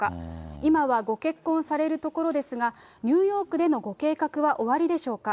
今はご結婚されるところですが、ニューヨークでのご計画はおありでしょうか。